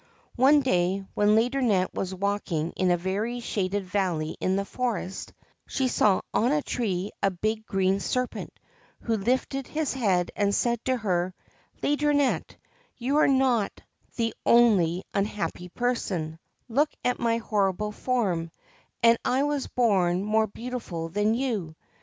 One day, when Laideronnette was walking in a very shaded valley in the forest, she saw on a tree a big green serpent, who lifted his head and said to her, ' Laideronnette, you are not the only unhappy person ; look at my horrible form, and I was born more beautiful than you.'